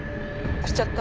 殺しちゃった。